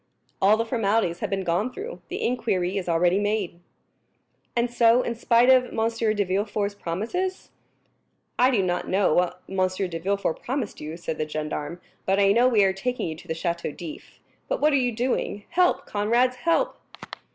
"All the formalities have been gone through; the inquiry is already made." "And so, in spite of M. de Villefort's promises?" "I do not know what M. de Villefort promised you," said the gendarme, "but I know we are taking you to the Château d'If. But what are you doing? Help, comrades, help!"